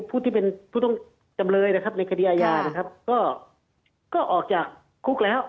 ผู้ต้องจำเลยในคณิตอาญี่ก็ออกจากคุกแล้ว